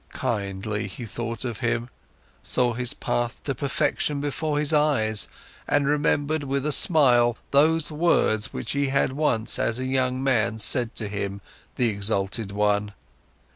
Kindly, he thought of him, saw his path to perfection before his eyes, and remembered with a smile those words which he had once, as a young man, said to him, the exalted one.